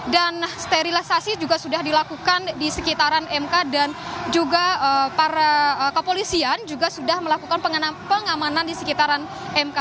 dan sterilisasi juga sudah dilakukan di sekitaran mk dan juga para kepolisian juga sudah melakukan pengamanan di sekitaran mk